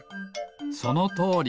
そのとおり。